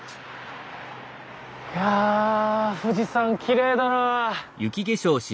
いや富士山きれいだな。